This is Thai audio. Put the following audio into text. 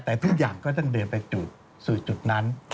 แต่ทุกอย่างก็ต้องเดินไปสู่จุดนั้น